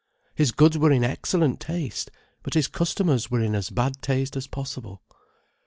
His goods were in excellent taste: but his customers were in as bad taste as possible.